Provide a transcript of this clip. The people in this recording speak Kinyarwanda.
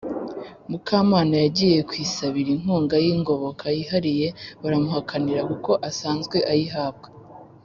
mukamana yagiye kwisabira inkunga y ingoboka yihariye baramuhakanira kuko asanzwe ayihabwa